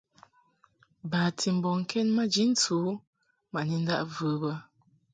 Bati mbɔŋkɛd maji ntɨ u ma ni ndaʼ və bə.